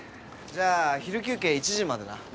じゃあ昼休憩１時までな。